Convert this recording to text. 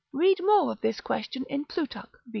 Read more of this question in Plutarch, vit.